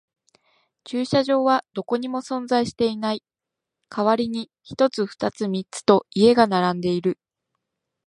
駐車場はどこにも存在していない。代わりに一つ、二つ、三つと家が並んでいる。